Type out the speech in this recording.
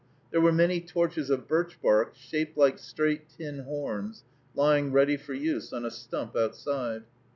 There were many torches of birch bark, shaped like straight tin horns, lying ready for use on a stump outside.